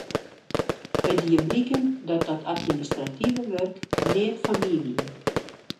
It die bliken dat dat administrative wurk neat foar my wie.